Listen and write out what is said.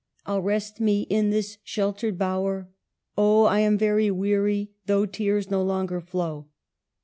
" I'll rest me in this sheltered bower." " Oh, I am very weary, though tears no longer flow."